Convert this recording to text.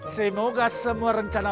semoga semua rencana